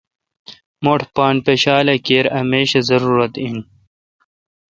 مٹھ پان پشال اے°کیر اہ میش۔ اے ضرورت این۔